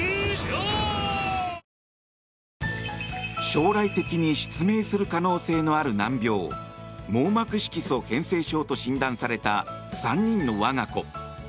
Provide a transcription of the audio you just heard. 将来的に失明する可能性のある難病網膜色素変性症と診断された３人の我が子。